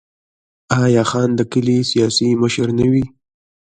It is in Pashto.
آیا خان د کلي سیاسي مشر نه وي؟